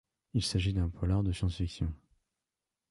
Il s'agit d'un polar de science-fiction.